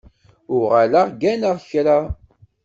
Uɣaleɣ gganeɣ kra.